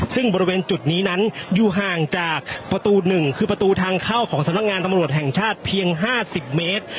ซึ่งบริเวณจุดนี้นั้นอยู่ห่างจากประตู๑คือประตูทางเข้าของสำนักงานตำรวจแห่งชาติเพียง๕๐เมตร